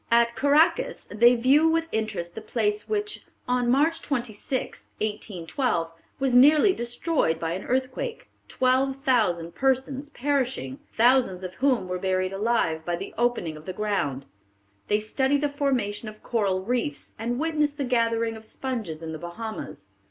At Caracas they view with interest the place which, on March 26, 1812, was nearly destroyed by an earthquake, twelve thousand persons perishing, thousands of whom were buried alive by the opening of the ground. They study the formation of coral reefs, and witness the gathering of sponges in the Bahamas.